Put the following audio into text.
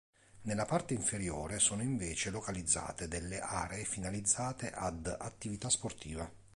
Nella parte inferiore, sono invece localizzate delle aree finalizzate ad attività sportive.